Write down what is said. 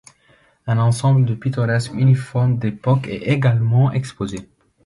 Un ensemble de pittoresques uniformes d'époque est également exposé.